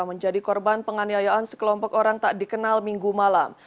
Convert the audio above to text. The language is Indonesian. menjadi korban penganiayaan sekelompok orang tak dikenal minggu malam